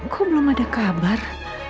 kok belum ada kabar